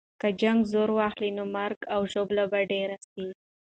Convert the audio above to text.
که جنګ زور واخلي، نو مرګ او ژوبله به ډېره سي.